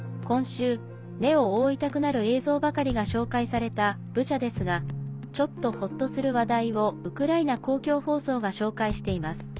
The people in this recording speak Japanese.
今週目を覆いたくなる映像ばかりが紹介されたブチャですがちょっとホッとする話題をウクライナ公共放送が紹介しています。